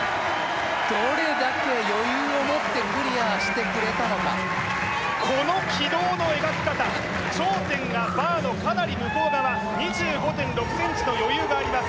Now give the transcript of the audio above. どれだけ余裕を持ってクリアしてくれたのかこの軌道の描き方頂点がバーのかなり向こう側２５．６ｃｍと余裕があります